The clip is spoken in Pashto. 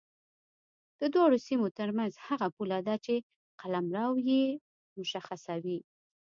د دواړو سیمو ترمنځ هغه پوله ده چې قلمرو یې مشخصوي.